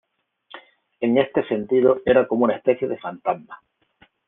En este sentido era como una especie de "fantasma".